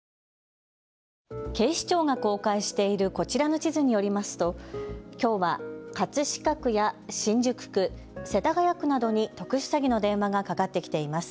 警視庁が公開しているこちらの地図によりますときょうは葛飾区や新宿区、世田谷区などに特殊詐欺の電話がかかってきています。